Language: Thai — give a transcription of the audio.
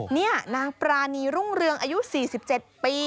นี่นางปรานีรุ่งเรืองอายุ๔๗ปี